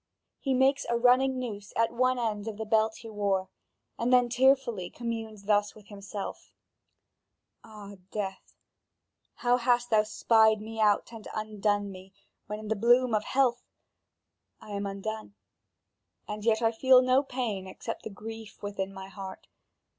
He makes a running noose at one end of the belt he wore, and then tearfully communes thus with himself: "Ah, death, how hast thou spied me out and undone me, when in the bloom of health! I am undone, and yet I feel no pain except the grief within my heart.